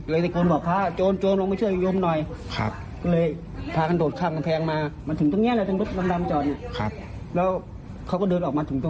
เลยตะกูลบอกพระโจรลงไปเชื่อยมน่อยเลยพากันโดดข้ามกำแพงมา